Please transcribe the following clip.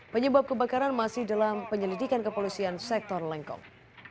penyebab kebakaran masih dalam penyelidikan kepolisian sektor lengkong